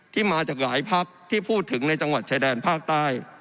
ที่มาจากหลายพักที่พูดถึงในจังหวัดชายแดนภาคใต้